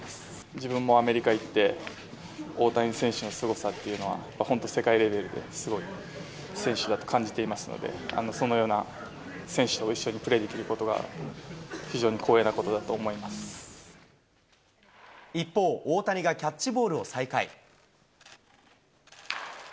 自分もアメリカ行って、大谷選手のすごさっていうのは、本当、世界レベルで、すごい選手だと感じていますので、そのような選手と一緒にプレーできることが、非常に光栄なことだ一方、大谷がキャッチボールを再開。